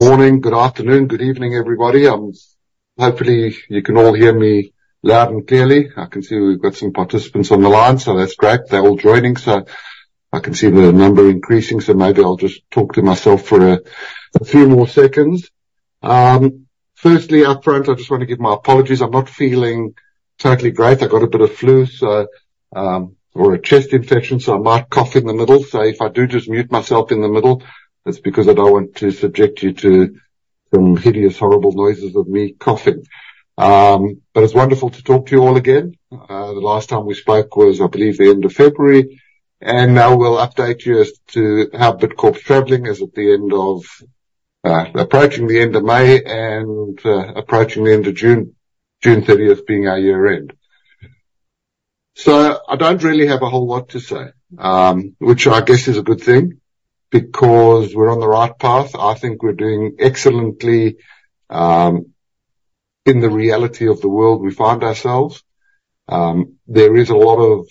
Morning, good afternoon, good evening, everybody. Hopefully, you can all hear me loud and clearly. I can see we've got some participants on the line, so that's great. They're all joining, so I can see the number increasing, so maybe I'll just talk to myself for a few more seconds. Firstly, up front, I just want to give my apologies. I'm not feeling totally great. I got a bit of flu, so, or a chest infection, so I might cough in the middle. So if I do, just mute myself in the middle, it's because I don't want to subject you to some hideous, horrible noises of me coughing. But it's wonderful to talk to you all again. The last time we spoke was, I believe, the end of February, and I will update you as to how Bidcorp's traveling, as at the end of, approaching the end of May and, approaching the end of June, June 30th being our year-end. So I don't really have a whole lot to say, which I guess is a good thing, because we're on the right path. I think we're doing excellently, in the reality of the world we find ourselves. There is a lot of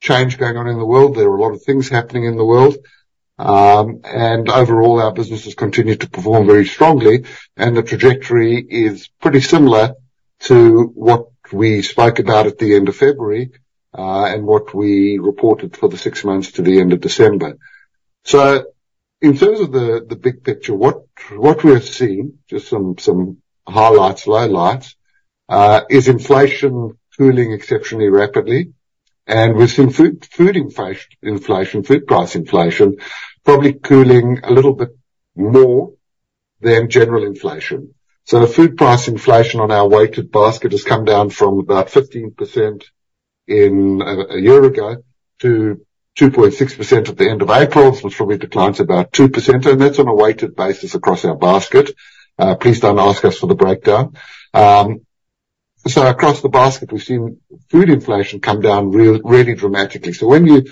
change going on in the world. There are a lot of things happening in the world. And overall, our business has continued to perform very strongly, and the trajectory is pretty similar to what we spoke about at the end of February, and what we reported for the six months to the end of December. So in terms of the big picture, what we're seeing, just some highlights, lowlights, is inflation cooling exceptionally rapidly, and we've seen food inflation, food price inflation, probably cooling a little bit more than general inflation. So the food price inflation on our weighted basket has come down from about 15% in a year ago, to 2.6% at the end of April. This was from a decline to about 2%, and that's on a weighted basis across our basket. Please don't ask us for the breakdown. So across the basket, we've seen food inflation come down really dramatically. So when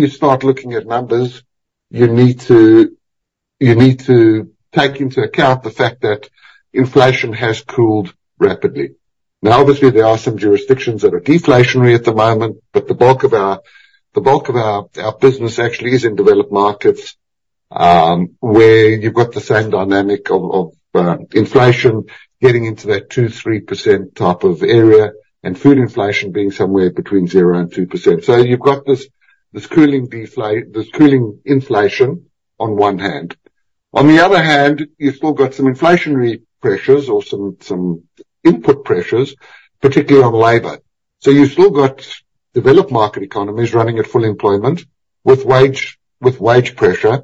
you start looking at numbers, you need to take into account the fact that inflation has cooled rapidly. Now, obviously, there are some jurisdictions that are deflationary at the moment, but the bulk of our, the bulk of our, our business actually is in developed markets, where you've got the same dynamic of, of, inflation getting into that 2%-3% type of area, and food inflation being somewhere between 0%-2%. So you've got this cooling inflation on one hand. On the other hand, you've still got some inflationary pressures or some, some input pressures, particularly on labor. So you've still got developed market economies running at full employment with wage, with wage pressure,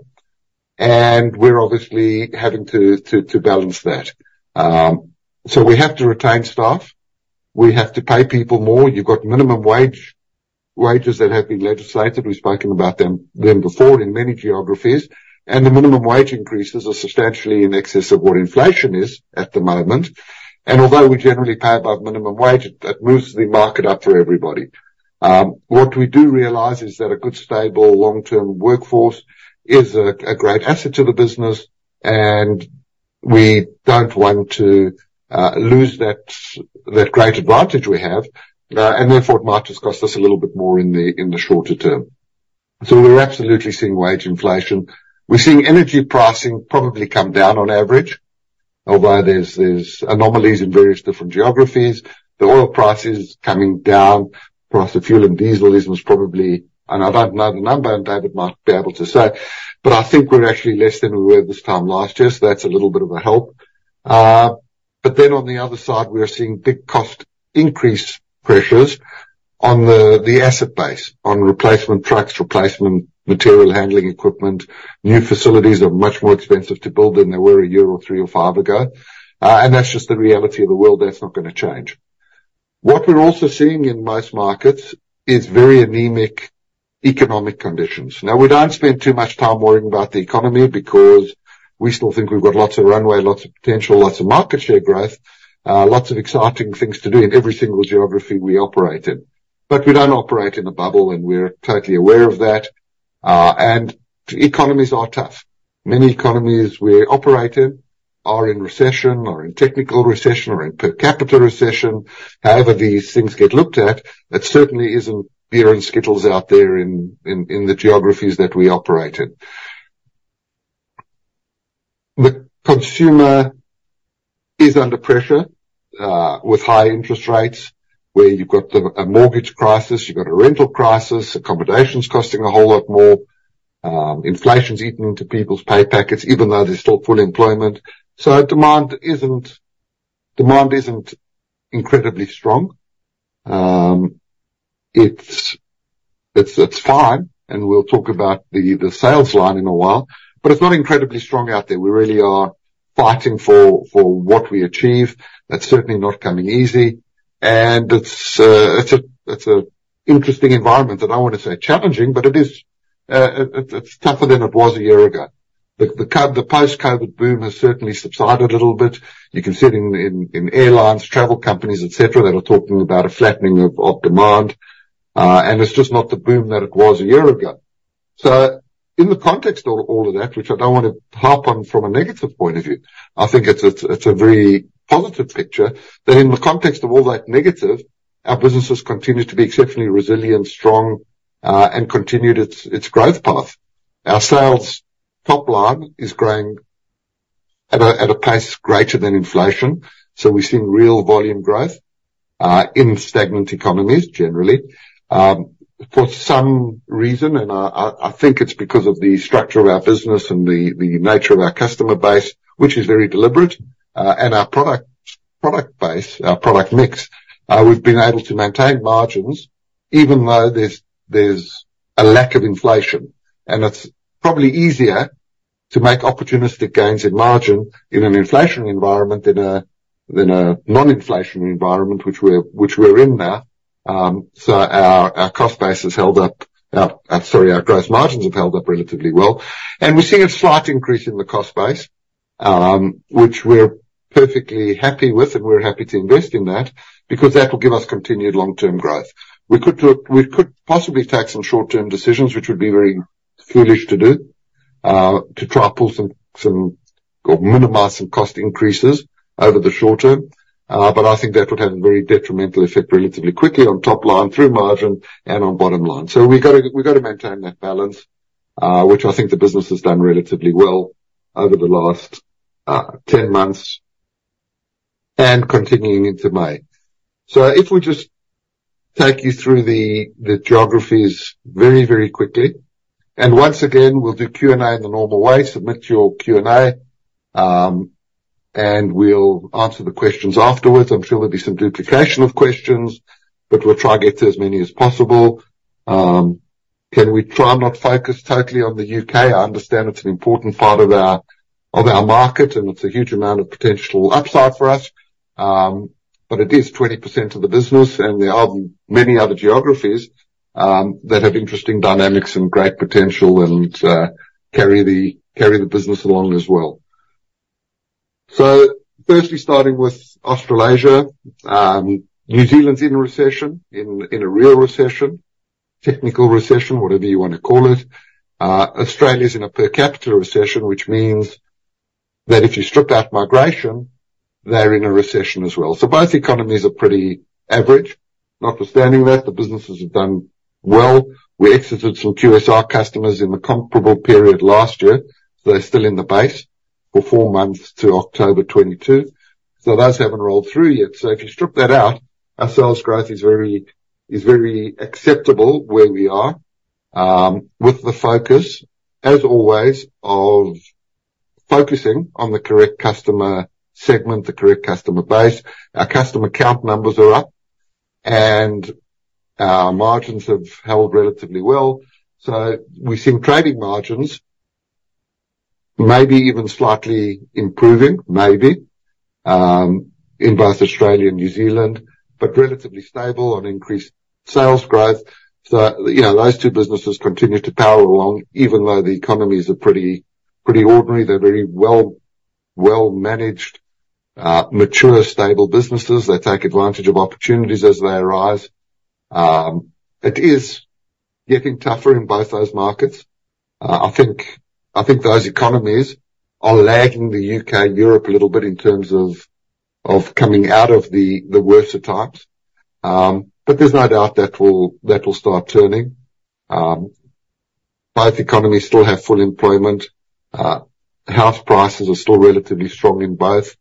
and we're obviously having to, to, to balance that. So we have to retain staff. We have to pay people more. You've got minimum wage, wages that have been legislated. We've spoken about them then before in many geographies, and the minimum wage increases are substantially in excess of what inflation is at the moment, and although we generally pay above minimum wage, that moves the market up for everybody. What we do realize is that a good, stable, long-term workforce is a great asset to the business, and we don't want to lose that great advantage we have. And therefore, it might just cost us a little bit more in the shorter term. So we're absolutely seeing wage inflation. We're seeing energy pricing probably come down on average, although there's anomalies in various different geographies. The oil price is coming down. Price of fuel and diesel is most probably. I don't know the number, and David might be able to say, but I think we're actually less than we were this time last year, so that's a little bit of a help. But then on the other side, we are seeing big cost increase pressures on the, the asset base, on replacement trucks, replacement material handling equipment. New facilities are much more expensive to build than they were a year or three or five ago. And that's just the reality of the world. That's not gonna change. What we're also seeing in most markets is very anemic economic conditions. Now, we don't spend too much time worrying about the economy because we still think we've got lots of runway, lots of potential, lots of market share growth, lots of exciting things to do in every single geography we operate in. But we don't operate in a bubble, and we're totally aware of that, and economies are tough. Many economies we operate in are in recession or in technical recession or in per capita recession. However, these things get looked at. It certainly isn't beer and skittles out there in the geographies that we operate in. The consumer is under pressure with high interest rates, where you've got a mortgage crisis, you've got a rental crisis, accommodation is costing a whole lot more, inflation's eating into people's pay packets, even though there's still full employment. So demand isn't incredibly strong. It's fine, and we'll talk about the sales line in a while, but it's not incredibly strong out there. We really are fighting for what we achieve. That's certainly not coming easy, and it's, it's a, it's an interesting environment, and I want to say challenging, but it is, it, it's tougher than it was a year ago. The, the post-COVID boom has certainly subsided a little bit. You can see it in, in, in airlines, travel companies, et cetera, that are talking about a flattening of, of demand, and it's just not the boom that it was a year ago. So in the context of all of that, which I don't want to harp on from a negative point of view, I think it's a, it's a very positive picture, that in the context of all that negative, our businesses continue to be exceptionally resilient, strong, and continued its, its growth path. Our sales top line is growing at a pace greater than inflation, so we've seen real volume growth in stagnant economies, generally. For some reason, I think it's because of the structure of our business and the nature of our customer base, which is very deliberate, and our product base, our product mix, we've been able to maintain margins even though there's a lack of inflation. And it's probably easier to make opportunistic gains in margin in an inflationary environment than a non-inflationary environment, which we're in now. So our cost base has held up. Sorry, our gross margins have held up relatively well, and we're seeing a slight increase in the cost base, which we're perfectly happy with, and we're happy to invest in that because that will give us continued long-term growth. We could possibly take some short-term decisions, which would be very foolish to do, to try and pull some or minimize some cost increases over the short term, but I think that would have a very detrimental effect relatively quickly on top line, through margin and on bottom line. So we've got to maintain that balance, which I think the business has done relatively well over the last 10 months and continuing into May. So if we just take you through the geographies very quickly, and once again, we'll do Q&A in the normal way. Submit your Q&A, and we'll answer the questions afterwards. I'm sure there'll be some duplication of questions, but we'll try to get to as many as possible. Can we try and not focus totally on the U.K.? I understand it's an important part of our, of our market, and it's a huge amount of potential upside for us, but it is 20% of the business, and there are many other geographies that have interesting dynamics and great potential and carry the business along as well. So firstly, starting with Australasia. New Zealand's in a recession, a real recession, technical recession, whatever you want to call it. Australia's in a per capita recession, which means that if you strip out migration, they're in a recession as well. So both economies are pretty average. Notwithstanding that, the businesses have done well. We exited some QSR customers in the comparable period last year, so they're still in the base for four months to October 2022. So those haven't rolled through yet. So if you strip that out, our sales growth is very, is very acceptable where we are, with the focus, as always, of focusing on the correct customer segment, the correct customer base. Our customer count numbers are up, and our margins have held relatively well. So we've seen trading margins maybe even slightly improving, maybe, in both Australia and New Zealand, but relatively stable on increased sales growth. So, you know, those two businesses continue to power along even though the economies are pretty, pretty ordinary. They're very well, well-managed, mature, stable businesses. They take advantage of opportunities as they arise. It is getting tougher in both those markets. I think those economies are lagging the U.K. and Europe a little bit in terms of coming out of the worser times. But there's no doubt that will start turning. Both economies still have full employment. House prices are still relatively strong in both,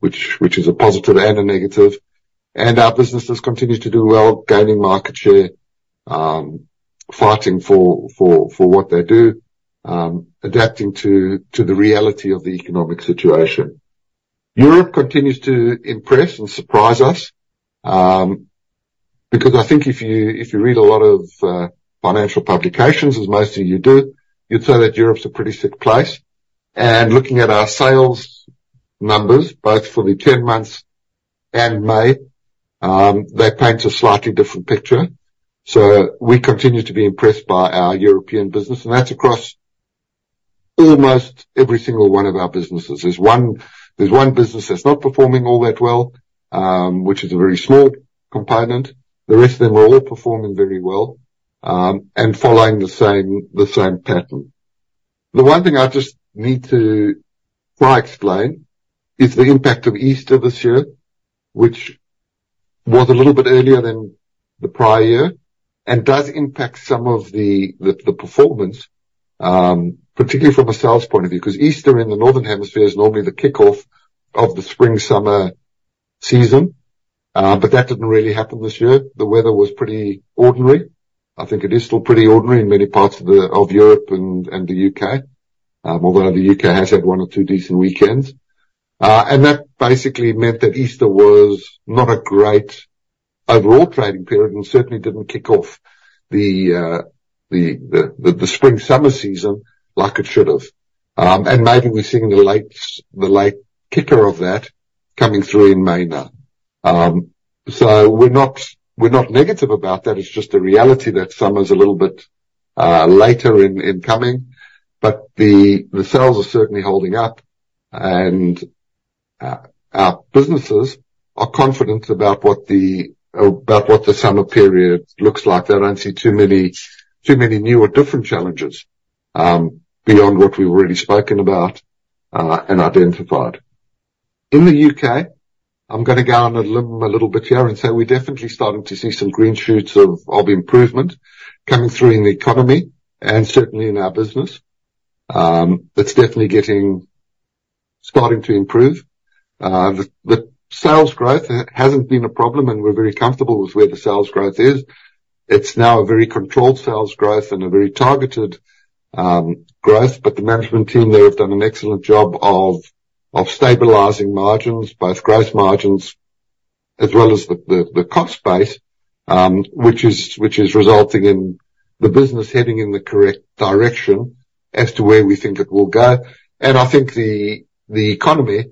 which is a positive and a negative, and our businesses continue to do well, gaining market share, fighting for what they do, adapting to the reality of the economic situation. Europe continues to impress and surprise us, because I think if you read a lot of financial publications, as most of you do, you'd say that Europe's a pretty sick place. And looking at our sales numbers, both for the 10 months and May, that paints a slightly different picture. So we continue to be impressed by our European business, and that's across almost every single one of our businesses. There's one business that's not performing all that well, which is a very small component. The rest of them are all performing very well, and following the same pattern. The one thing I just need to try explain is the impact of Easter this year, which was a little bit earlier than the prior year, and does impact some of the performance, particularly from a sales point of view, because Easter in the Northern Hemisphere is normally the kickoff of the spring-summer season, but that didn't really happen this year. The weather was pretty ordinary. I think it is still pretty ordinary in many parts of the... Of Europe and the U.K., although the U.K. has had one or two decent weekends. And that basically meant that Easter was not a great overall trading period and certainly didn't kick off the spring-summer season like it should have. And maybe we're seeing the late kicker of that coming through in May now. So we're not negative about that. It's just a reality that summer's a little bit later in coming, but the sales are certainly holding up, and our businesses are confident about what the summer period looks like. They don't see too many, too many new or different challenges beyond what we've already spoken about and identified. In the U.K., I'm gonna go on a limb a little bit here and say we're definitely starting to see some green shoots of improvement coming through in the economy and certainly in our business. It's definitely starting to improve. The sales growth hasn't been a problem, and we're very comfortable with where the sales growth is. It's now a very controlled sales growth and a very targeted growth, but the management team there have done an excellent job of stabilizing margins, both gross margins as well as the cost base, which is resulting in the business heading in the correct direction as to where we think it will go. And I think the economy,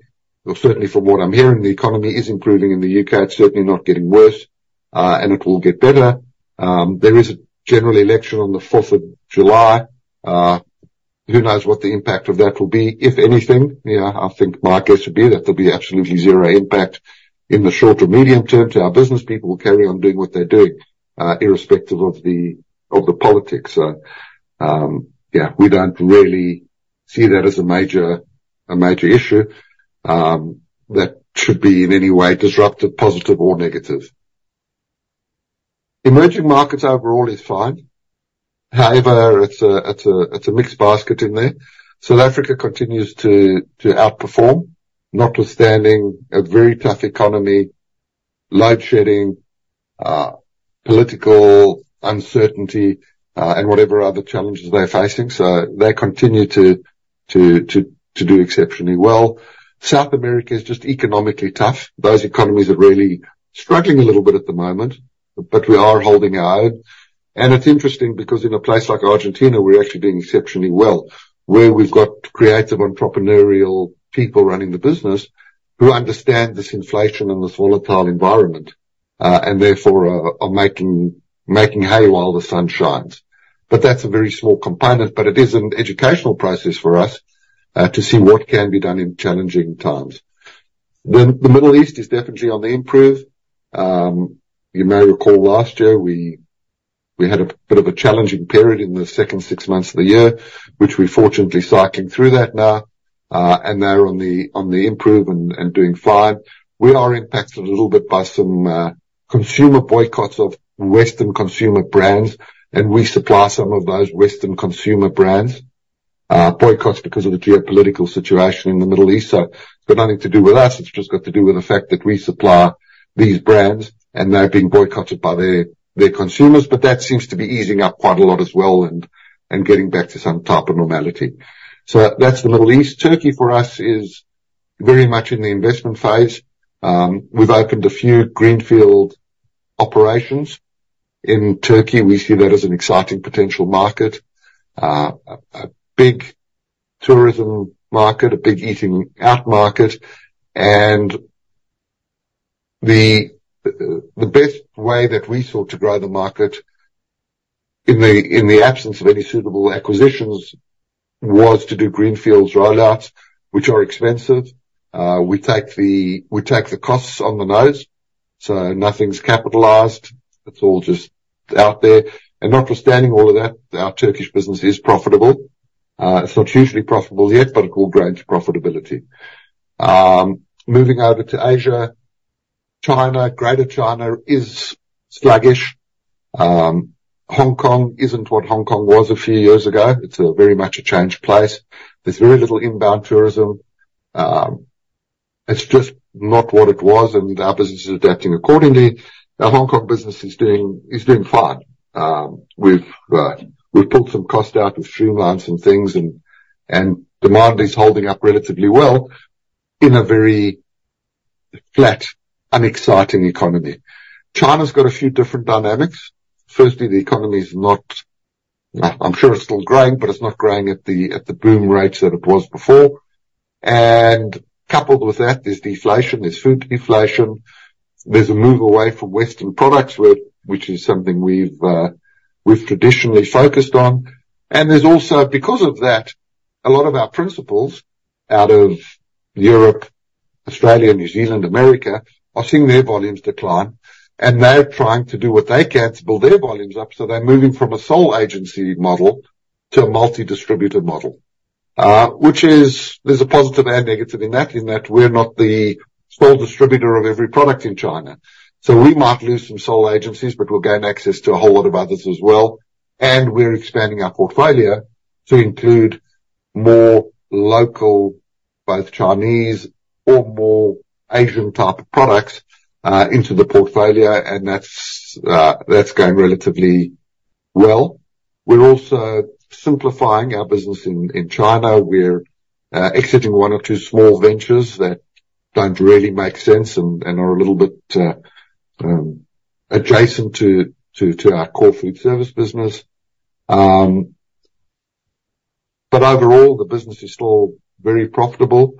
well, certainly from what I'm hearing, the economy is improving in the U.K. It's certainly not getting worse, and it will get better. There is a general election on the July 4th. Who knows what the impact of that will be? If anything, you know, I think my guess would be that there'll be absolutely zero impact in the short to medium term to our business. People will carry on doing what they're doing, irrespective of the politics. So, yeah, we don't really see that as a major issue that should be in any way disruptive, positive or negative. Emerging markets overall is fine. However, it's a mixed basket in there. South Africa continues to outperform, notwithstanding a very tough economy, load shedding, political uncertainty, and whatever other challenges they're facing. So they continue to do exceptionally well. South America is just economically tough. Those economies are really struggling a little bit at the moment, but we are holding our own. And it's interesting because in a place like Argentina, we're actually doing exceptionally well, where we've got creative, entrepreneurial people running the business who understand this inflation and this volatile environment, and therefore, are making hay while the sun shines. But that's a very small component, but it is an educational process for us, to see what can be done in challenging times. Then the Middle East is definitely on the improve. You may recall last year we had a bit of a challenging period in the second six months of the year, which we're fortunately cycling through that now, and they're on the improve and doing fine. We are impacted a little bit by some consumer boycotts of Western consumer brands, and we supply some of those Western consumer brands. Boycotts because of the geopolitical situation in the Middle East. So it's got nothing to do with us. It's just got to do with the fact that we supply these brands, and they're being boycotted by their consumers. But that seems to be easing up quite a lot as well and getting back to some type of normality. So that's the Middle East. Turkey, for us, is very much in the investment phase. We've opened a few greenfield operations in Turkey. We see that as an exciting potential market, a big tourism market, a big eating out market, and the best way that we sought to grow the market in the absence of any suitable acquisitions was to do greenfields rollouts, which are expensive. We take the costs on the nose, so nothing's capitalized. It's all just out there. And notwithstanding all of that, our Turkish business is profitable. It's not hugely profitable yet, but it will grow into profitability. Moving over to Asia. China, Greater China is sluggish. Hong Kong isn't what Hong Kong was a few years ago. It's very much a changed place. There's very little inbound tourism. It's just not what it was, and our business is adapting accordingly. Our Hong Kong business is doing fine. We've pulled some cost out and streamlined some things and demand is holding up relatively well in a very flat, unexciting economy. China's got a few different dynamics. Firstly, the economy is not, I'm sure it's still growing, but it's not growing at the boom rates that it was before. And coupled with that, there's deflation, there's food deflation, there's a move away from Western products, which is something we've traditionally focused on. And there's also, because of that, a lot of our principals out of Europe, Australia, New Zealand, America, are seeing their volumes decline, and they're trying to do what they can to build their volumes up. So they're moving from a sole agency model to a multi-distributor model. Which is, there's a positive and negative in that, in that we're not the sole distributor of every product in China. So we might lose some sole agencies, but we'll gain access to a whole lot of others as well. And we're expanding our portfolio to include more local, both Chinese or more Asian type of products into the portfolio, and that's going relatively well. We're also simplifying our business in China. We're exiting one or two small ventures that don't really make sense and are a little bit adjacent to our core food service business. But overall, the business is still very profitable,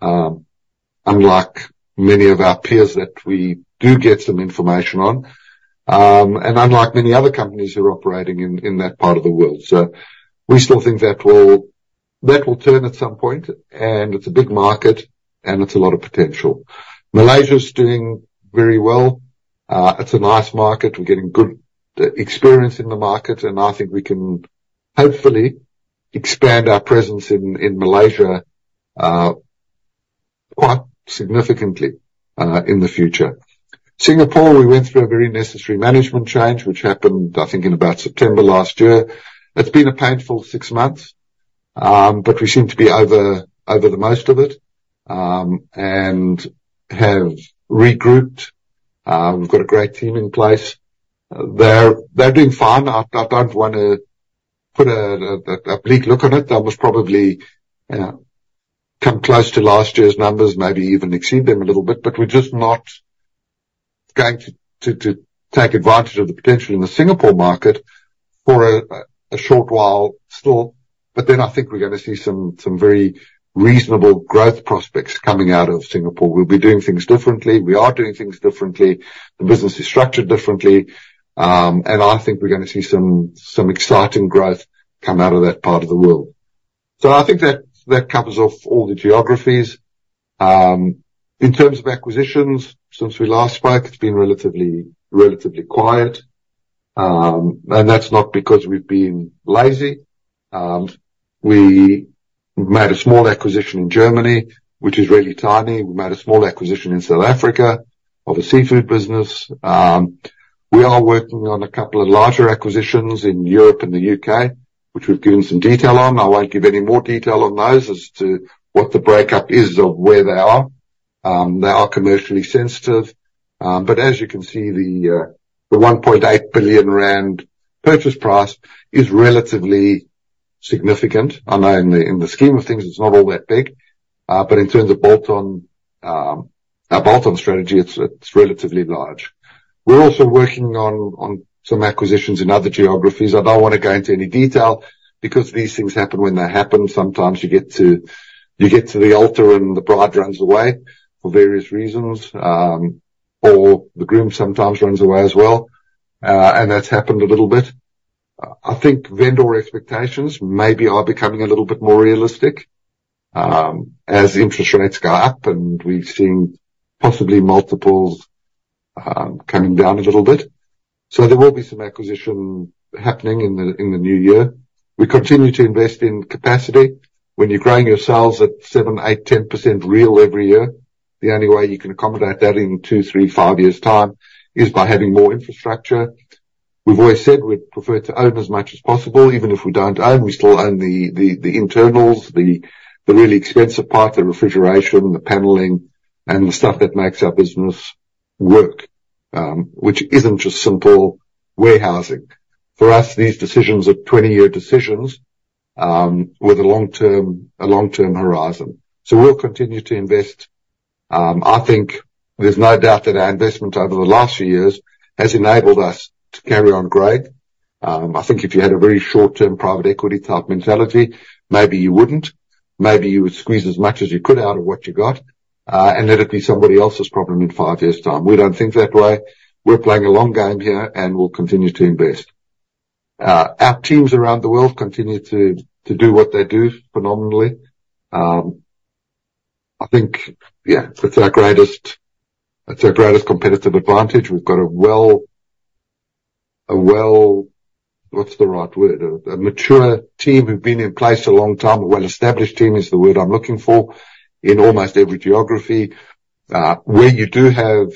unlike many of our peers that we do get some information on, and unlike many other companies who are operating in that part of the world. So we still think that will turn at some point, and it's a big market, and it's a lot of potential. Malaysia's doing very well. It's a nice market. We're getting good experience in the market, and I think we can hopefully expand our presence in Malaysia quite significantly in the future. Singapore, we went through a very necessary management change, which happened, I think, in about September last year. It's been a painful six months, but we seem to be over the most of it and have regrouped. We've got a great team in place. They're doing fine. I don't wanna put a bleak look on it. They'll most probably come close to last year's numbers, maybe even exceed them a little bit. But we're just not going to take advantage of the potential in the Singapore market for a short while still. But then I think we're gonna see some very reasonable growth prospects coming out of Singapore. We'll be doing things differently. We are doing things differently. The business is structured differently, and I think we're gonna see some exciting growth come out of that part of the world. So I think that covers off all the geographies. In terms of acquisitions, since we last spoke, it's been relatively quiet. And that's not because we've been lazy. We made a small acquisition in Germany, which is really tiny. We made a small acquisition in South Africa of a seafood business. We are working on a couple of larger acquisitions in Europe and the U.K., which we've given some detail on. I won't give any more detail on those as to what the breakup is or where they are. They are commercially sensitive. But as you can see, the 1.8 billion rand purchase price is relatively significant. I know in the scheme of things, it's not all that big, but in terms of bolt-on, our bolt-on strategy, it's relatively large. We're also working on some acquisitions in other geographies. I don't wanna go into any detail because these things happen when they happen. Sometimes you get to the altar, and the bride runs away for various reasons, or the groom sometimes runs away as well. And that's happened a little bit. I think vendor expectations maybe are becoming a little bit more realistic, as interest rates go up, and we've seen possibly multiples, coming down a little bit. So there will be some acquisition happening in the new year. We continue to invest in capacity. When you're growing your sales at 7%, 8%, 10% real every year, the only way you can accommodate that in two, three, five years' time is by having more infrastructure. We've always said we'd prefer to own as much as possible. Even if we don't own, we still own the internals, the really expensive part, the refrigeration, the paneling, and the stuff that makes our business work, which isn't just simple warehousing. For us, these decisions are 20-year decisions, with a long-term horizon. So we'll continue to invest. I think there's no doubt that our investment over the last few years has enabled us to carry on great. I think if you had a very short-term, private equity-type mentality, maybe you wouldn't. Maybe you would squeeze as much as you could out of what you got, and let it be somebody else's problem in five years' time. We don't think that way. We're playing a long game here, and we'll continue to invest. Our teams around the world continue to do what they do phenomenally. I think, yeah, it's our greatest, it's our greatest competitive advantage. We've got, what's the right word? A mature team who've been in place a long time. A well-established team is the word I'm looking for in almost every geography. Where you do have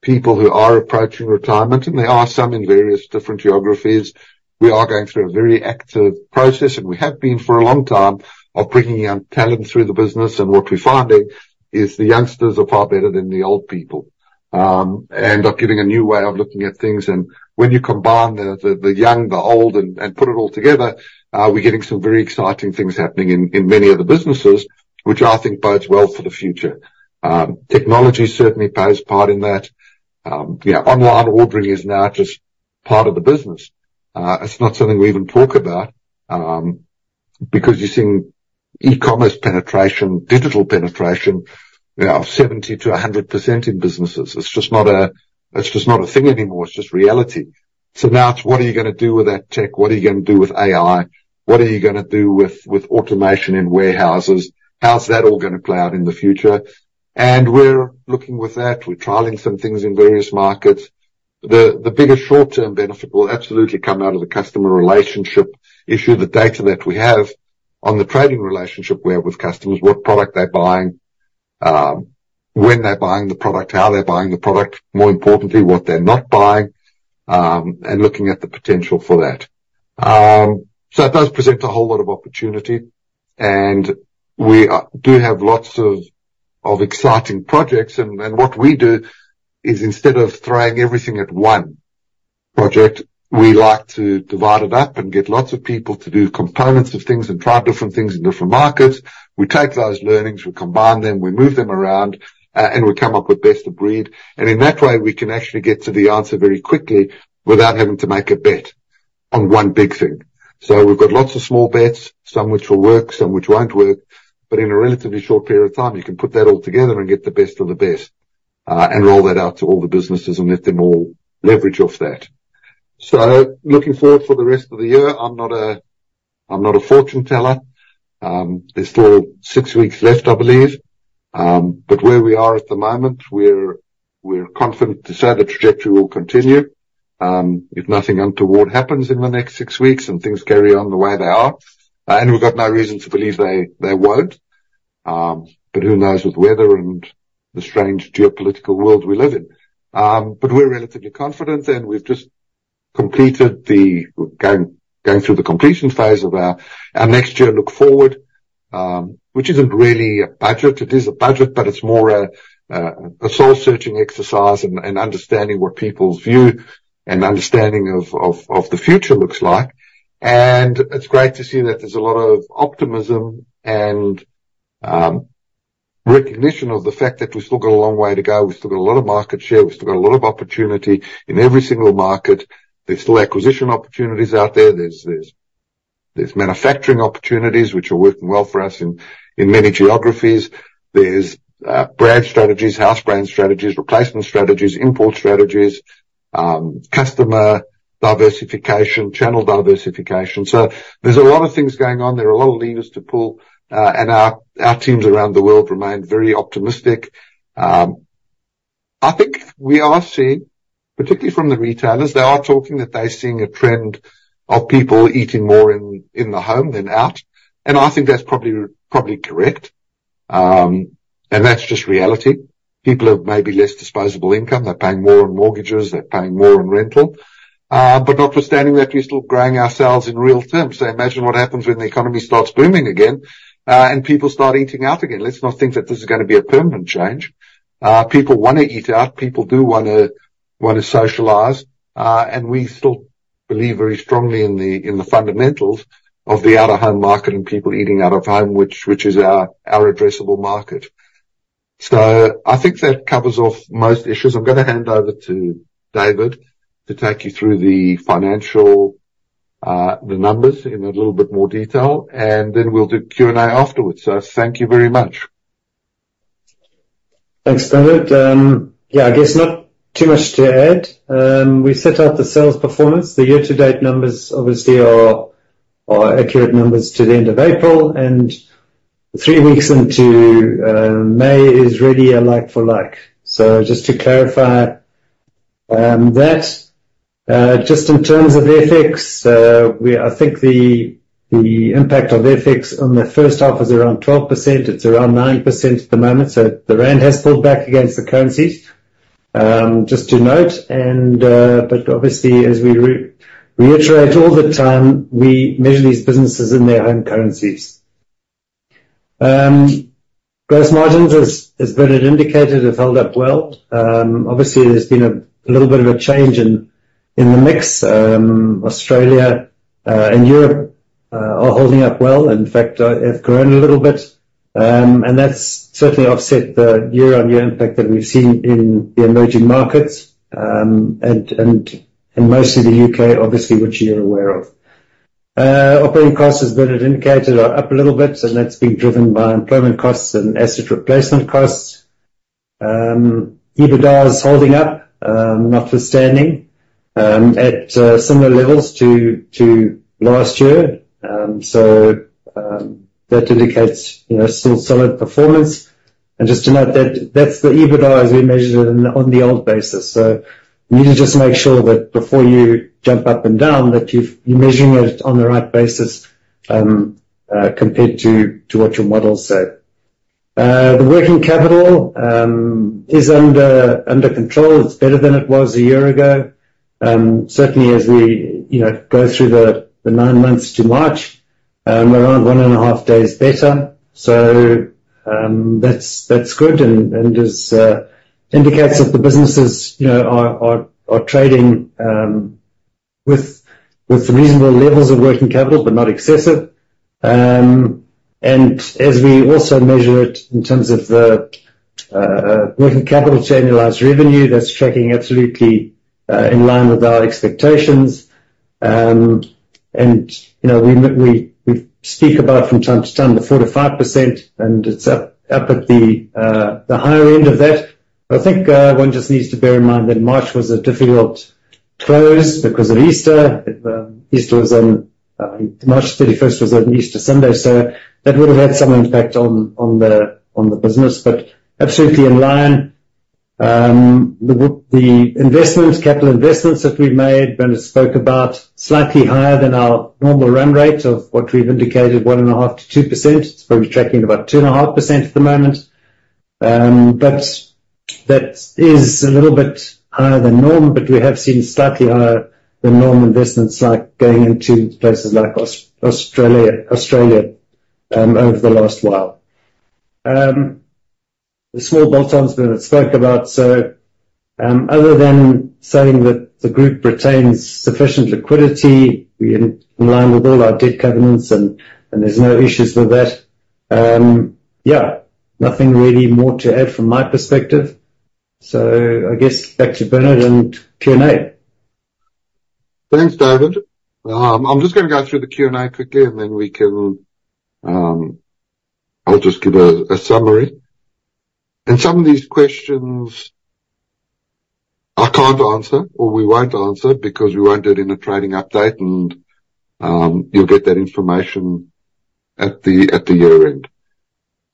people who are approaching retirement, and there are some in various different geographies, we are going through a very active process, and we have been for a long time, of bringing young talent through the business. And what we're finding is the youngsters are far better than the old people, and are giving a new way of looking at things. And when you combine the young, the old, and put it all together, we're getting some very exciting things happening in many of the businesses, which I think bodes well for the future. Technology certainly plays a part in that. Yeah, online ordering is now just part of the business. It's not something we even talk about, because you're seeing e-commerce penetration, digital penetration, of 70%-100% in businesses. It's just not a thing anymore. It's just reality. So now it's what are you gonna do with that tech? What are you gonna do with AI? What are you gonna do with, with automation in warehouses? How's that all gonna play out in the future? And we're looking with that. We're trialing some things in various markets. The biggest short-term benefit will absolutely come out of the customer relationship issue, the data that we have on the trading relationship we have with customers, what product they're buying, when they're buying the product, how they're buying the product, more importantly, what they're not buying, and looking at the potential for that. So it does present a whole lot of opportunity, and we do have lots of exciting projects. And what we do is, instead of throwing everything at one project, we like to divide it up and get lots of people to do components of things and try different things in different markets. We take those learnings, we combine them, we move them around, and we come up with best of breed. And in that way, we can actually get to the answer very quickly without having to make a bet on one big thing. So we've got lots of small bets, some which will work, some which won't work, but in a relatively short period of time, you can put that all together and get the best of the best, and roll that out to all the businesses and let them all leverage off that. So looking forward for the rest of the year, I'm not a fortune teller. There's still six weeks left, I believe. But where we are at the moment, we're confident to say the trajectory will continue. If nothing untoward happens in the next six weeks, and things carry on the way they are, and we've got no reason to believe they won't. But who knows, with weather and the strange geopolitical world we live in? But we're relatively confident, and we've just completed. We're going through the completion phase of our next year look forward, which isn't really a budget. It is a budget, but it's more a soul-searching exercise and understanding what people's view and understanding of the future looks like. It's great to see that there's a lot of optimism and recognition of the fact that we've still got a long way to go. We've still got a lot of market share. We've still got a lot of opportunity in every single market. There's still acquisition opportunities out there. There's manufacturing opportunities which are working well for us in many geographies. There's brand strategies, house brand strategies, replacement strategies, import strategies, customer diversification, channel diversification. So there's a lot of things going on. There are a lot of levers to pull, and our teams around the world remain very optimistic. I think we are seeing, particularly from the retailers, they are talking that they're seeing a trend of people eating more in the home than out, and I think that's probably correct. And that's just reality. People have maybe less disposable income. They're paying more on mortgages, they're paying more on rental. But notwithstanding that, we're still growing ourselves in real terms. So imagine what happens when the economy starts booming again, and people start eating out again. Let's not think that this is gonna be a permanent change. People wanna eat out, people do wanna socialize, and we still believe very strongly in the fundamentals of the out-of-home market and people eating out of home, which is our addressable market. So I think that covers off most issues. I'm gonna hand over to David to take you through the financial, the numbers in a little bit more detail, and then we'll do Q&A afterwards. So thank you very much. Thanks, Bernard. Yeah, I guess not too much to add. We set out the sales performance. The year-to-date numbers obviously are accurate numbers to the end of April, and three weeks into May is really a like for like. So just to clarify, that just in terms of FX, we, I think the impact of FX on the first half is around 12%. It's around 9% at the moment, so the rand has pulled back against the currencies. Just to note, and, but obviously, as we reiterate all the time, we measure these businesses in their home currencies. Gross margins, as Bernard indicated, have held up well. Obviously, there's been a little bit of a change in the mix. Australia and Europe are holding up well. In fact, have grown a little bit, and that's certainly offset the year-on-year impact that we've seen in the emerging markets, and mostly the U.K., obviously, which you're aware of. Operating costs, as Bernard indicated, are up a little bit, and that's being driven by employment costs and asset replacement costs. EBITDA is holding up, notwithstanding, at similar levels to last year. So, that indicates, you know, still solid performance. And just to note that that's the EBITDA as we measured it on the old basis. So we need to just make sure that before you jump up and down, that you're measuring it on the right basis, compared to what your models say. The working capital is under control. It's better than it was a year ago. Certainly as we, you know, go through the nine months to March, we're around one and half days better. So, that's good, and indicates that the businesses, you know, are trading with reasonable levels of working capital, but not excessive. And as we also measure it in terms of the working capital to annualized revenue, that's tracking absolutely in line with our expectations. And, you know, we speak about from time to time, the 4%-5%, and it's up at the higher end of that. But I think one just needs to bear in mind that March was a difficult close because of Easter. Easter was on March 31st. March 31st was Easter Sunday, so that would have had some impact on the business, but absolutely in line. The investments, capital investments that we've made, Bernard spoke about, slightly higher than our normal run rate of what we've indicated, 1.5%-2%. It's probably tracking about 2.5% at the moment. But that is a little bit higher than normal, but we have seen slightly higher than normal investments, like going into places like Australia over the last while. The small bolt-ons Bernard spoke about, so other than saying that the group retains sufficient liquidity, we're in line with all our debt covenants, and there's no issues with that. Yeah, nothing really more to add from my perspective. I guess back to Bernard and Q&A. Thanks, David. I'm just gonna go through the Q&A quickly, and then we can. I'll just give a summary. Some of these questions I can't answer, or we won't answer because we won't do it in a trading update, and you'll get that information at the year end.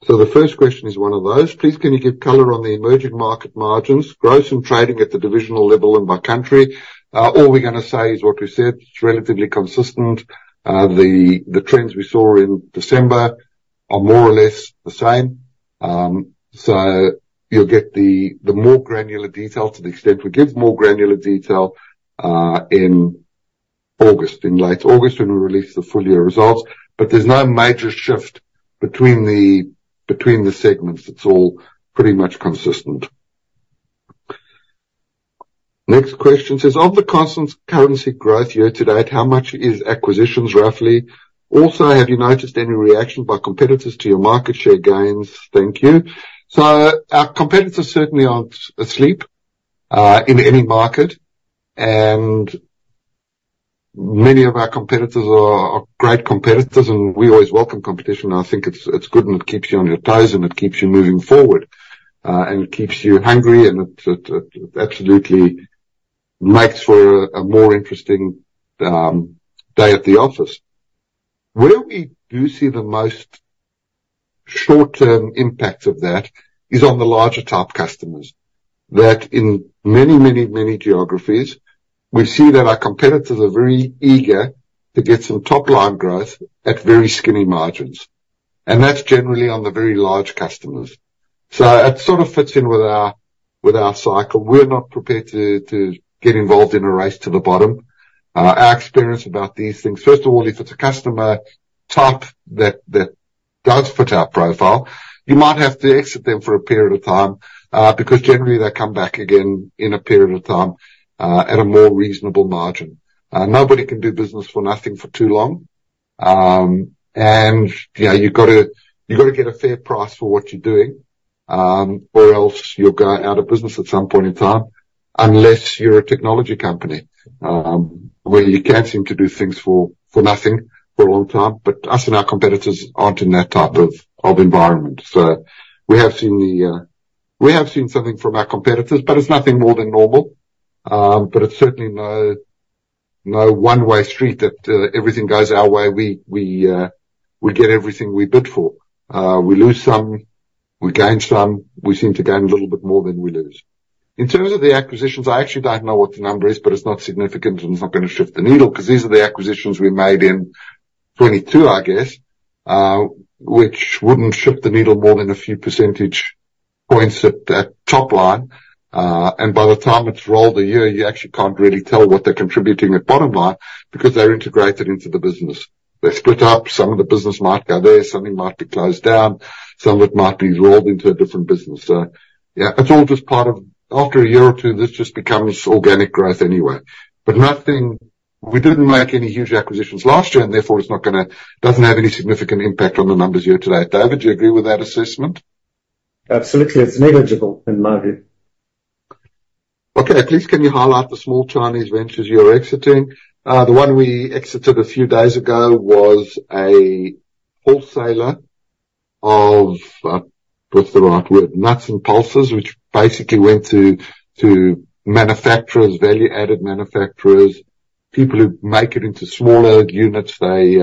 So the first question is one of those: Please, can you give color on the emerging market margins, growth, and trading at the divisional level and by country? All we're gonna say is what we said. It's relatively consistent. The trends we saw in December are more or less the same. So you'll get the more granular detail to the extent we give more granular detail in August, in late August, when we release the full year results. But there's no major shift between the segments. It's all pretty much consistent. Next question says: Of the constant currency growth year to date, how much is acquisitions, roughly? Also, have you noticed any reaction by competitors to your market share gains? Thank you. So our competitors certainly aren't asleep in any market, and many of our competitors are great competitors, and we always welcome competition. I think it's good, and it keeps you on your toes, and it keeps you moving forward and it keeps you hungry, and it absolutely makes for a more interesting day at the office. Where we do see the most short-term impact of that is on the larger type customers, that in many, many, many geographies we see that our competitors are very eager to get some top-line growth at very skinny margins, and that's generally on the very large customers. So that sort of fits in with our cycle. We're not prepared to get involved in a race to the bottom. Our experience about these things, first of all, if it's a customer type that does fit our profile, you might have to exit them for a period of time, because generally they come back again in a period of time, at a more reasonable margin. Nobody can do business for nothing for too long. And, you know, you've got to get a fair price for what you're doing, or else you'll go out of business at some point in time, unless you're a technology company, where you can seem to do things for nothing for a long time. But us and our competitors aren't in that type of environment. So we have seen something from our competitors, but it's nothing more than normal. But it's certainly no one-way street that everything goes our way. We get everything we bid for. We lose some, we gain some. We seem to gain a little bit more than we lose. In terms of the acquisitions, I actually don't know what the number is, but it's not significant, and it's not gonna shift the needle, 'cause these are the acquisitions we made in 2022, I guess, which wouldn't shift the needle more than a few percentage points at that top line. And by the time it's rolled a year, you actually can't really tell what they're contributing at bottom line because they're integrated into the business. They're split up. Some of the business might go there, something might be closed down, some of it might be rolled into a different business. So yeah, it's all just part of, after a year or two, this just becomes organic growth anyway. But nothing. We didn't make any huge acquisitions last year, and therefore, it's not gonna, doesn't have any significant impact on the numbers year to date. David, do you agree with that assessment? Absolutely. It's negligible, in my view. Okay. Please, can you highlight the small Chinese ventures you are exiting? The one we exited a few days ago was a wholesaler of, what's the right word? Nuts and pulses, which basically went to, to manufacturers, value-added manufacturers, people who make it into smaller units. They,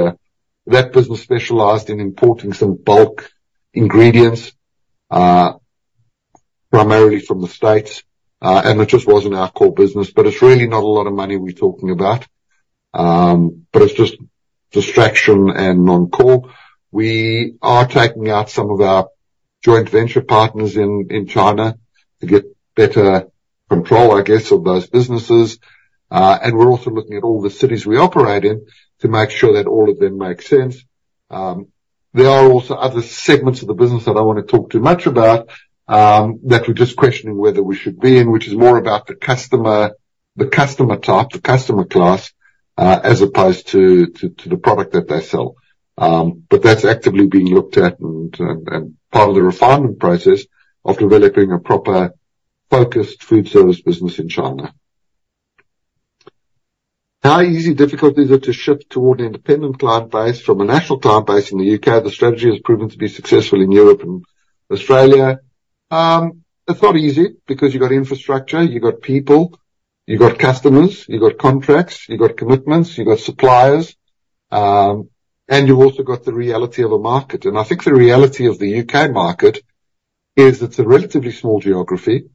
that business specialized in importing some bulk ingredients, primarily from the States, and it just wasn't our core business. But it's really not a lot of money we're talking about. But it's just distraction and non-core. We are taking out some of our joint venture partners in China to get better control, I guess, of those businesses. And we're also looking at all the cities we operate in to make sure that all of them make sense. There are also other segments of the business that I don't want to talk too much about, that we're just questioning whether we should be in, which is more about the customer, the customer type, the customer class, as opposed to the product that they sell. But that's actively being looked at and part of the refinement process of developing a proper focused food service business in China. How easy or difficult is it to shift toward an independent client base from a national client base in the U.K.? The strategy has proven to be successful in Europe and Australia. It's not easy because you've got infrastructure, you've got people, you've got customers, you've got contracts, you've got commitments, you've got suppliers, and you've also got the reality of a market. I think the reality of the U.K. market is it's a relatively small geography,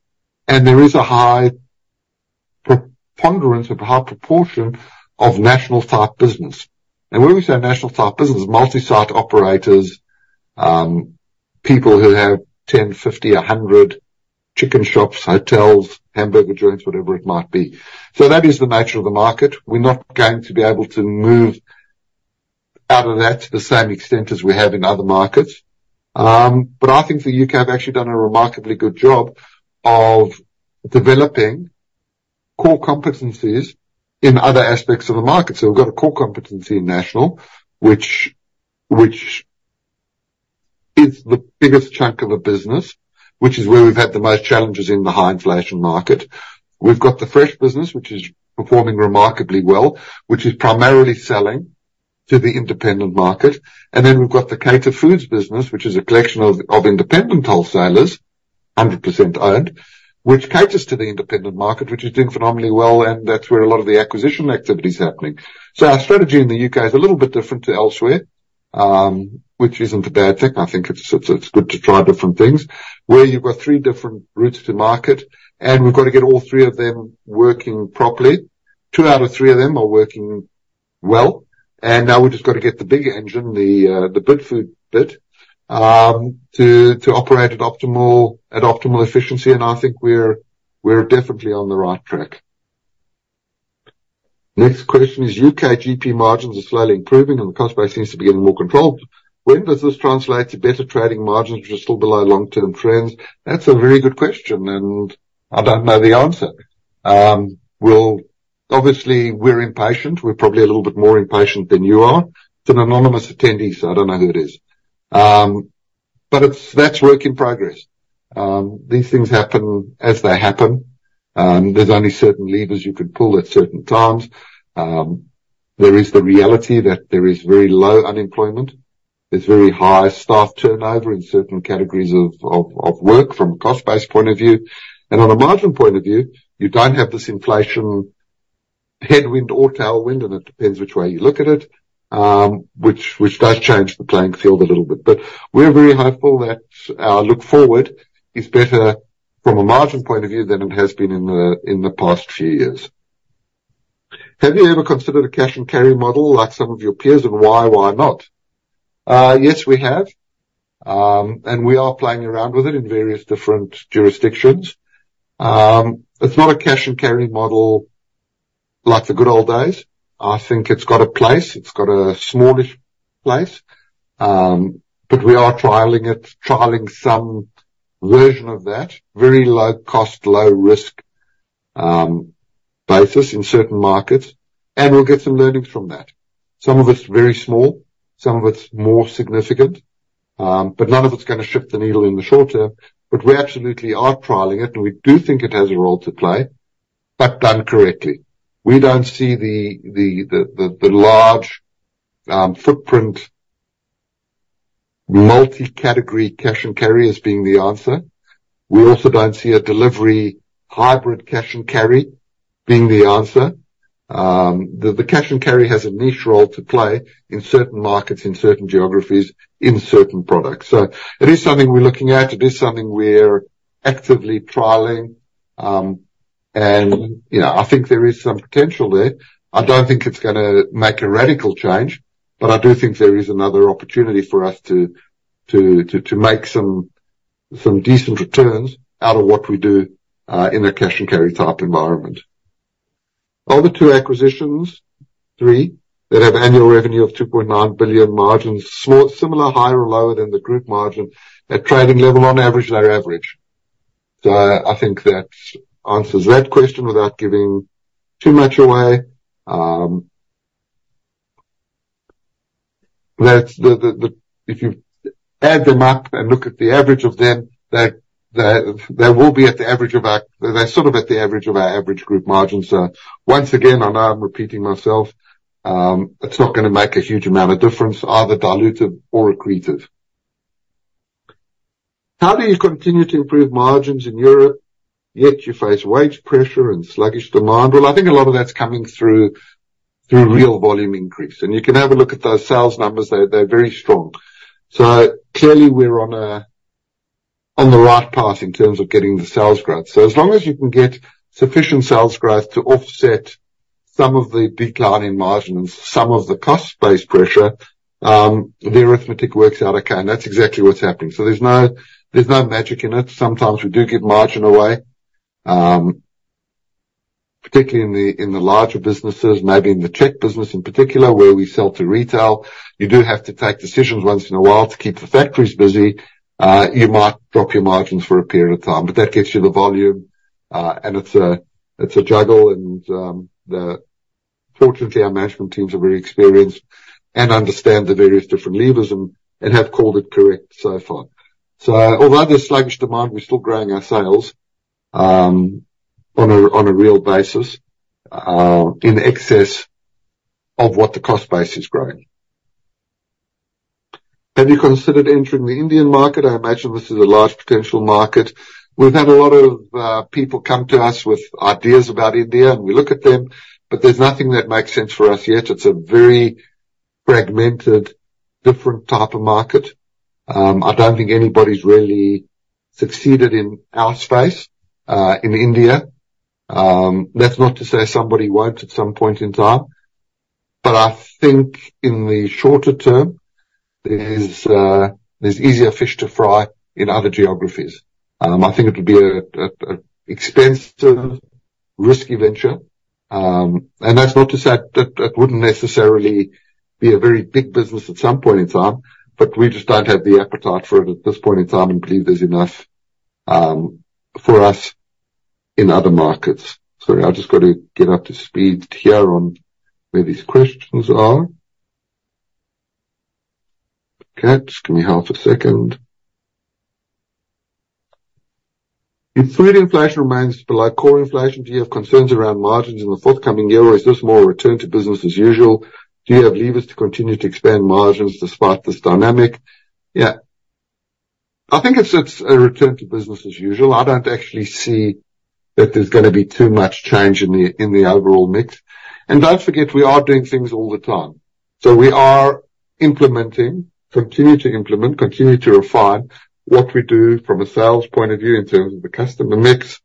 and there is a high preponderance or a high proportion of national-type business. And when we say national-type business, multi-site operators, people who have 10, 50, 100 chicken shops, hotels, hamburger joints, whatever it might be. So that is the nature of the market. We're not going to be able to move out of that to the same extent as we have in other markets. But I think the U.K. have actually done a remarkably good job of developing core competencies in other aspects of the market. So we've got a core competency in national, which is the biggest chunk of the business, which is where we've had the most challenges in the high inflation market. We've got the fresh business, which is performing remarkably well, which is primarily selling to the independent market. Then we've got the Caterfood business, which is a collection of independent wholesalers 100% owned, which caters to the independent market, which is doing phenomenally well, and that's where a lot of the acquisition activity is happening. So our strategy in the U.K. is a little bit different to elsewhere, which isn't a bad thing. I think it's good to try different things. Where you've got three different routes to market, and we've got to get all three of them working properly. Two out of three of them are working well, and now we've just got to get the bigger engine, the Bidfood bit, to operate at optimal efficiency, and I think we're definitely on the right track. Next question is: U.K. GP margins are slowly improving, and the cost base seems to be getting more controlled. When does this translate to better trading margins, which are still below long-term trends? That's a very good question, and I don't know the answer. Well, obviously, we're impatient. We're probably a little bit more impatient than you are. It's an anonymous attendee, so I don't know who it is. But it's, that's work in progress. These things happen as they happen. There's only certain levers you can pull at certain times. There is the reality that there is very low unemployment. There's very high staff turnover in certain categories of work, from a cost base point of view. On a margin point of view, you don't have this inflation, headwind or tailwind, and it depends which way you look at it, which does change the playing field a little bit. But we're very hopeful that our look forward is better from a margin point of view than it has been in the past few years. Have you ever considered a cash-and-carry model like some of your peers, and why or why not? Yes, we have. And we are playing around with it in various different jurisdictions. It's not a cash-and-carry model like the good old days. I think it's got a place. It's got a smallish place, but we are trialing it, trialing some version of that, very low cost, low risk, basis in certain markets, and we'll get some learnings from that. Some of it's very small, some of it's more significant, but none of it's gonna shift the needle in the short term. But we absolutely are trialing it, and we do think it has a role to play, but done correctly. We don't see the large footprint, multi-category cash and carry as being the answer. We also don't see a delivery hybrid cash and carry being the answer. The cash and carry has a niche role to play in certain markets, in certain geographies, in certain products. So it is something we're looking at. It is something we're actively trialing. And, you know, I think there is some potential there. I don't think it's gonna make a radical change, but I do think there is another opportunity for us to make some decent returns out of what we do in a cash-and-carry-type environment. Are the two acquisitions, three, that have annual revenue of 2.9 billion margins, small, similar, higher or lower than the group margin? At trading level, on average, they're average. So I think that answers that question without giving too much away. If you add them up and look at the average of them, they will be at the average of our they're sort of at the average of our average group margins. So once again, I know I'm repeating myself, it's not gonna make a huge amount of difference, either diluted or accretive. How do you continue to improve margins in Europe, yet you face wage pressure and sluggish demand? Well, I think a lot of that's coming through, through real volume increase, and you can have a look at those sales numbers. They're, they're very strong. So clearly, we're on a, on the right path in terms of getting the sales growth. So as long as you can get sufficient sales growth to offset some of the decline in margins, some of the cost-based pressure, the arithmetic works out okay, and that's exactly what's happening. So there's no, there's no magic in it. Sometimes we do give margin away, particularly in the, in the larger businesses, maybe in the Czech business in particular, where we sell to retail. You do have to take decisions once in a while to keep the factories busy. You might drop your margins for a period of time, but that gets you the volume, and it's a juggle and, fortunately, our management teams are very experienced and understand the various different levers and have called it correct so far. So although there's sluggish demand, we're still growing our sales on a real basis in excess of what the cost base is growing. Have you considered entering the Indian market? I imagine this is a large potential market. We've had a lot of people come to us with ideas about India, and we look at them, but there's nothing that makes sense for us yet. It's a very fragmented, different type of market. I don't think anybody's really succeeded in our space in India. That's not to say somebody won't at some point in time, but I think in the shorter term, there's easier fish to fry in other geographies. I think it'll be an expensive, risky venture. And that's not to say that wouldn't necessarily be a very big business at some point in time, but we just don't have the appetite for it at this point in time and believe there's enough for us in other markets. Sorry, I've just got to get up to speed here on where these questions are. Okay, just give me half a second, if food inflation remains below core inflation, do you have concerns around margins in the forthcoming year, or is this more a return to business as usual? Do you have levers to continue to expand margins despite this dynamic? Yeah. I think it's a return to business as usual. I don't actually see that there's gonna be too much change in the overall mix. And don't forget, we are doing things all the time. So we are implementing, continue to implement, continue to refine what we do from a sales point of view in terms of the customer mix,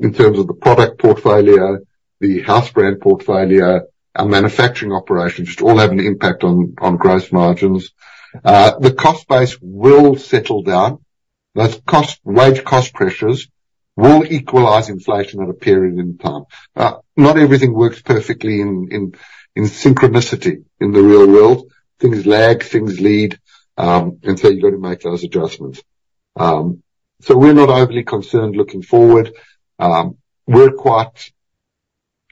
in terms of the product portfolio, the house brand portfolio, our manufacturing operations, which all have an impact on gross margins. The cost base will settle down. Those wage cost pressures will equalize inflation at a period in time. Not everything works perfectly in synchronicity in the real world. Things lag, things lead, and so you've got to make those adjustments. So we're not overly concerned looking forward. We're quite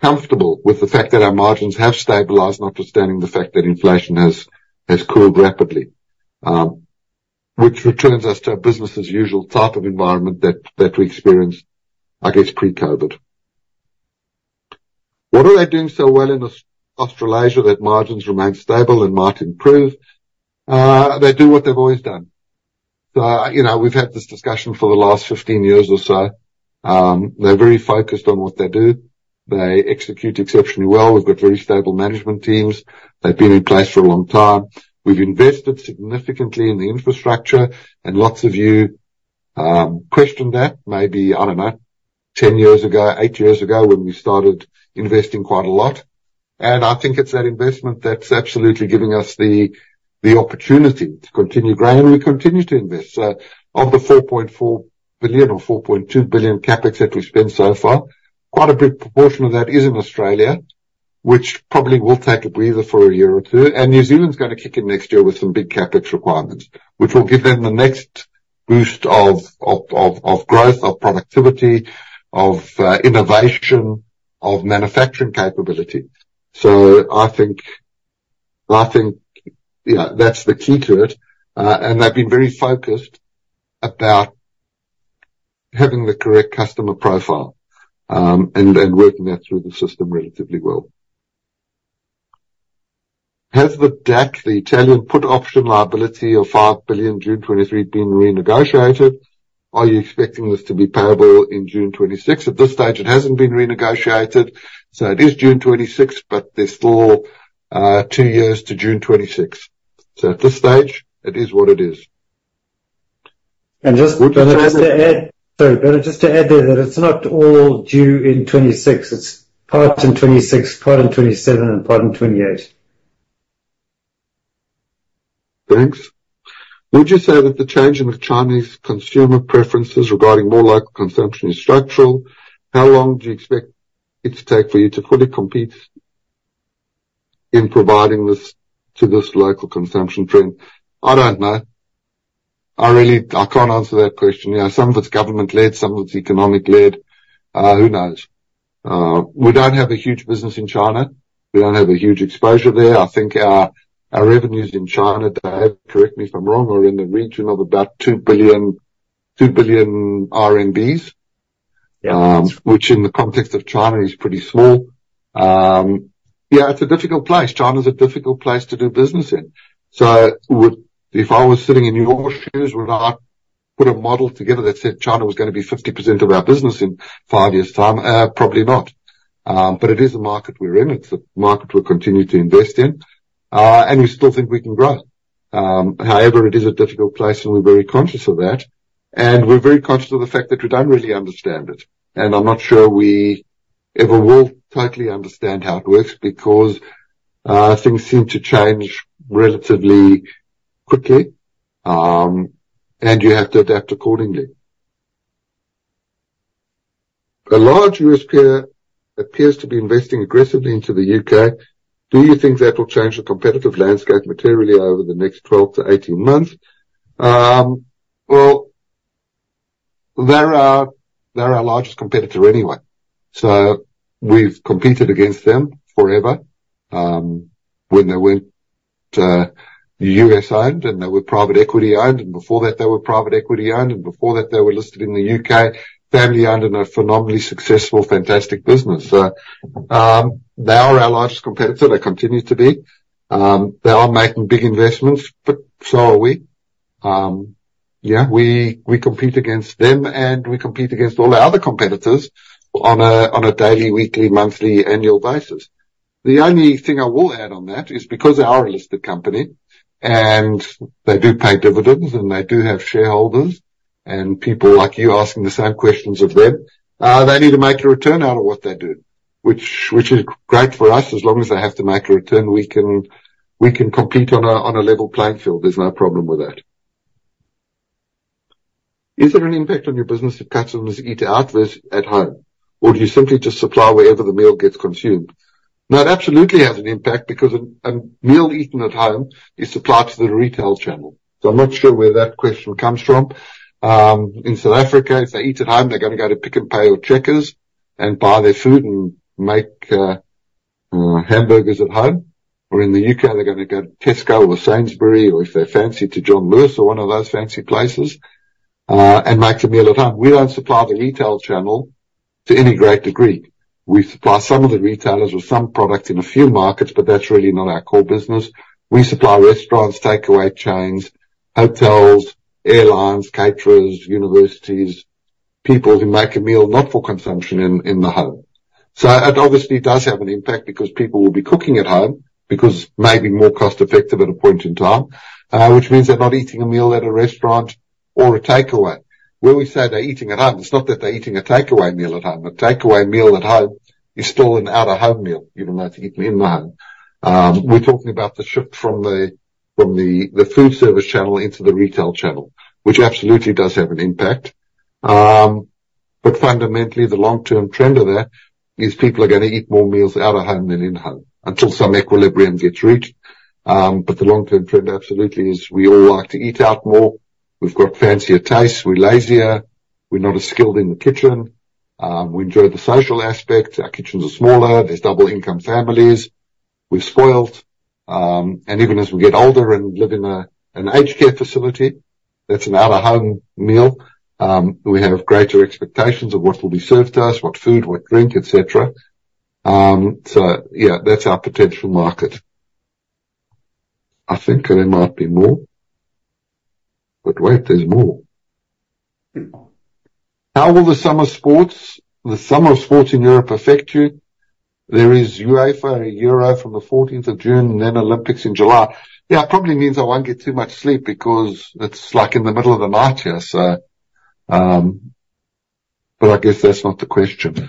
comfortable with the fact that our margins have stabilized, notwithstanding the fact that inflation has cooled rapidly, which returns us to a business as usual type of environment that we experienced, I guess, pre-COVID. What are they doing so well in Australasia, that margins remain stable and might improve? They do what they've always done. So, you know, we've had this discussion for the last 15 years or so. They're very focused on what they do. They execute exceptionally well. We've got very stable management teams. They've been in place for a long time. We've invested significantly in the infrastructure, and lots of you questioned that maybe, I don't know, 10 years ago, eight years ago, when we started investing quite a lot, and I think it's that investment that's absolutely giving us the opportunity to continue growing, and we continue to invest. So of the 4.4 billion or 4.2 billion CapEx that we've spent so far, quite a big proportion of that is in Australia, which probably will take a breather for a year or two, and New Zealand's gonna kick in next year with some big CapEx requirements, which will give them the next boost of growth, of productivity, of innovation, of manufacturing capability. So I think, yeah, that's the key to it. They've been very focused about having the correct customer profile, and working that through the system relatively well. Has the DAC, the Italian put option liability of 5 billion June 2023, been renegotiated? Are you expecting this to be payable in June 2026? At this stage, it hasn't been renegotiated, so it is June 2026, but there's still two years to June 2026. So at this stage, it is what it is. Just to add, sorry, but just to add there, that it's not all due in 2026. It's part in 2026, part in 2027 and part in 2028. Thanks. Would you say that the change in the Chinese consumer preferences regarding more local consumption is structural? How long do you expect it to take for you to fully compete in providing this to this local consumption trend? I don't know. I really, I can't answer that question. You know, some of it's government-led, some of it's economic-led. Who knows? We don't have a huge business in China. We don't have a huge exposure there. I think our, our revenues in China, Dave, correct me if I'm wrong, are in the region of about 2 billion, 2 billion RMB- Yeah. Which in the context of China, is pretty small. Yeah, it's a difficult place. China's a difficult place to do business in. If I was sitting in your shoes, would I put a model together that said China was gonna be 50% of our business in five years' time? Probably not. But it is a market we're in. It's a market we'll continue to invest in, and we still think we can grow. However, it is a difficult place, and we're very conscious of that, and we're very conscious of the fact that we don't really understand it, and I'm not sure we ever will totally understand how it works, because things seem to change relatively quickly, and you have to adapt accordingly. A large U.S. peer appears to be investing aggressively into the U.K. Do you think that will change the competitive landscape materially over the next 12-18 months? Well, they're our largest competitor anyway, so we've competed against them forever. When they went U.S.-owned and they were private equity-owned, and before that, they were private equity-owned, and before that, they were listed in the U.K., family-owned and a phenomenally successful, fantastic business. So, they are our largest competitor. They continue to be. They are making big investments, but so are we. Yeah, we compete against them, and we compete against all the other competitors on a daily, weekly, monthly, annual basis. The only thing I will add on that is because they are a listed company, and they do pay dividends, and they do have shareholders and people like you asking the same questions of them, they need to make a return out of what they do, which is great for us. As long as they have to make a return, we can compete on a level playing field. There's no problem with that. Is there an impact on your business if customers eat out less at home, or do you simply just supply wherever the meal gets consumed? That absolutely has an impact, because a meal eaten at home is supplied to the retail channel. So I'm not sure where that question comes from. In South Africa, if they eat at home, they're gonna go to Pick n Pay or Checkers and buy their food and make hamburgers at home, or in the U.K., they're gonna go to Tesco or Sainsbury's, or if they're fancy, to John Lewis or one of those fancy places and make some meal at home. We don't supply the retail channel to any great degree. We supply some of the retailers with some products in a few markets, but that's really not our core business. We supply restaurants, takeaway chains, hotels, airlines, caterers, universities, people who make a meal not for consumption in the home. So it obviously does have an impact because people will be cooking at home, because maybe more cost-effective at a point in time, which means they're not eating a meal at a restaurant or a takeaway. When we say they're eating at home, it's not that they're eating a takeaway meal at home. A takeaway meal at home is still an out-of-home meal, even though it's eaten in the home. We're talking about the shift from the food service channel into the retail channel, which absolutely does have an impact. But fundamentally, the long-term trend of that is people are gonna eat more meals out of home than in-home until some equilibrium gets reached. But the long-term trend absolutely is we all like to eat out more. We've got fancier tastes, we're lazier, we're not as skilled in the kitchen, we enjoy the social aspect, our kitchens are smaller, there's double income families. We're spoiled, and even as we get older and live in an aged care facility, that's an out-of-home meal. We have greater expectations of what will be served to us, what food, what drink, et cetera. So yeah, that's our potential market. I think there might be more. But wait, there's more. How will the summer sports, the summer of sports in Europe affect you? There is UEFA Euro from the June 14th, and then Olympics in July. Yeah, it probably means I won't get too much sleep because it's like in the middle of the night here, so, but I guess that's not the question.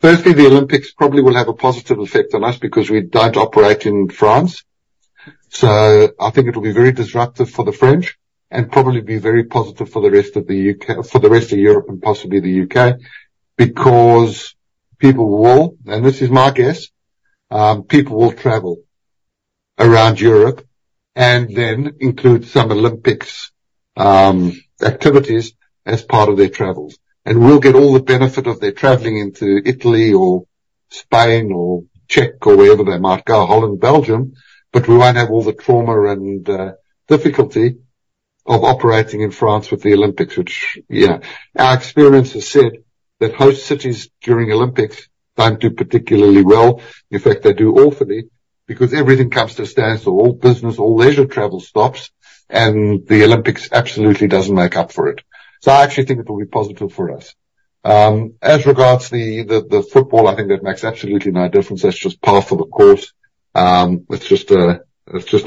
Firstly, the Olympics probably will have a positive effect on us because we don't operate in France. So I think it'll be very disruptive for the French and probably be very positive for the rest of the U.K... For the rest of Europe and possibly the U.K., because people will, and this is my guess, people will travel around Europe and then include some Olympics activities as part of their travels. And we'll get all the benefit of their traveling into Italy or Spain or Czech or wherever they might go, Holland, Belgium, but we won't have all the trauma and, difficulty of operating in France with the Olympics, which, yeah. Our experience has said that host cities during Olympics don't do particularly well. In fact, they do awfully, because everything comes to a standstill. All business, all leisure travel stops, and the Olympics absolutely doesn't make up for it. So I actually think it will be positive for us. As regards the football, I think that makes absolutely no difference. That's just par for the course. It's just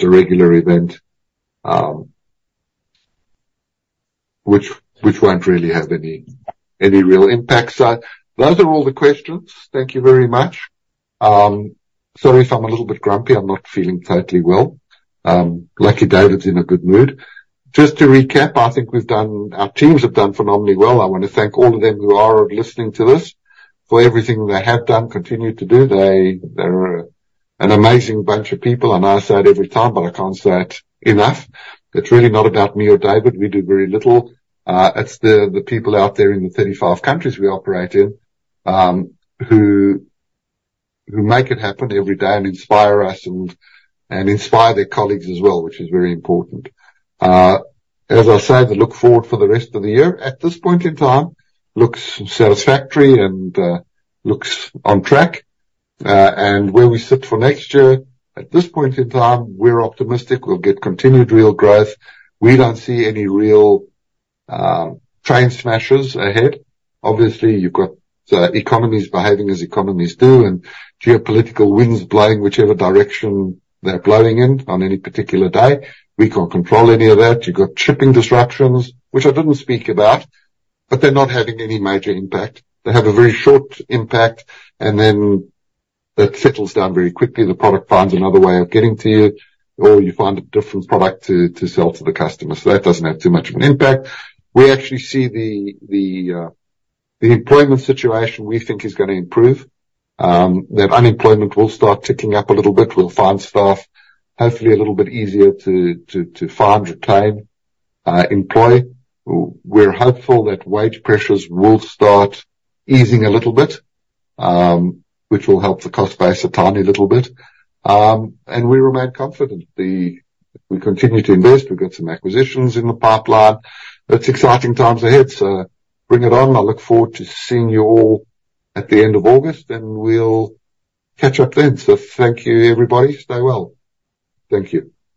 a regular event, which won't really have any real impact. So those are all the questions. Thank you very much. Sorry if I'm a little bit grumpy. I'm not feeling totally well. Lucky David's in a good mood. Just to recap, I think we've done our teams have done phenomenally well. I want to thank all of them who are listening to this, for everything they have done, continue to do. They're an amazing bunch of people, and I say it every time, but I can't say it enough. It's really not about me or David. We do very little. It's the people out there in the 35 countries we operate in, who make it happen every day and inspire us and inspire their colleagues as well, which is very important. As I said, the look forward for the rest of the year, at this point in time, looks satisfactory and looks on track. And where we sit for next year, at this point in time, we're optimistic we'll get continued real growth. We don't see any real train smashes ahead. Obviously, you've got economies behaving as economies do, and geopolitical winds blowing whichever direction they're blowing in on any particular day. We can't control any of that. You've got shipping disruptions, which I didn't speak about, but they're not having any major impact. They have a very short impact, and then that settles down very quickly. The product finds another way of getting to you, or you find a different product to, to sell to the customer. So that doesn't have too much of an impact. We actually see the employment situation we think is gonna improve, that unemployment will start ticking up a little bit. We'll find staff, hopefully, a little bit easier to find, retain, employ. We're hopeful that wage pressures will start easing a little bit, which will help the cost base a tiny little bit. And we remain confident. We continue to invest. We've got some acquisitions in the pipeline. It's exciting times ahead, so bring it on. I look forward to seeing you all at the end of August, and we'll catch up then. So thank you, everybody. Stay well. Thank you.